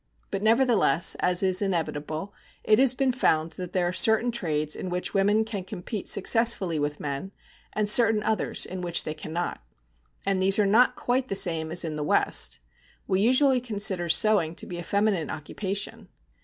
But nevertheless, as is inevitable, it has been found that there are certain trades in which women can compete successfully with men, and certain others in which they cannot. And these are not quite the same as in the West. We usually consider sewing to be a feminine occupation.